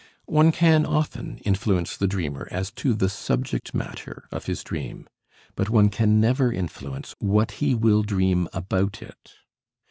One can often influence the dreamer as to the subject matter of his dream, but one can never influence what he will dream about it.